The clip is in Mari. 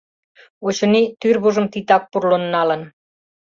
Очыни, тӱрвыжым титак пурлын налын.